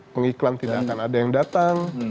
pengiklan tidak akan ada yang datang